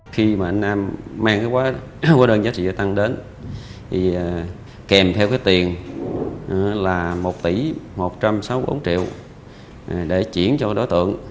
khi mà anh nam mang cái đơn giá trị gia tăng đến thì kèm theo cái tiền là một tỷ một trăm sáu mươi bốn triệu để chuyển cho đối tượng